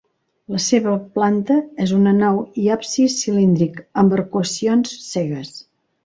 La seva planta és una nau i absis cilíndric amb arcuacions cegues.